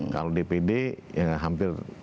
kalau dpd ya hampir